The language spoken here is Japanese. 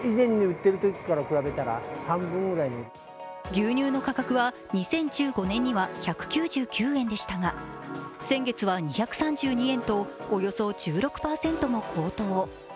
牛乳の価格は２０１５年には１９９円でしたが先月は２３２円と、およそ１６％も高騰。